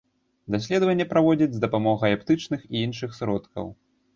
Даследаванне праводзяць з дапамогай аптычных і іншых сродкаў.